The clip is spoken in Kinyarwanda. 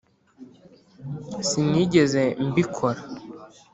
sinigeze mbikora.